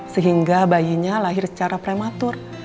sehingga bayinya lahir secara prematur